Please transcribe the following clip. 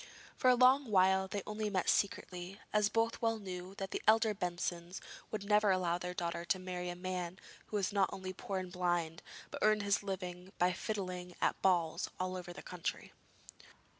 For a long while they only met secretly, as both well knew that the elder Bensons would never allow their daughter to marry a man who was not only poor and blind, but earned his living by fiddling at balls all over the country.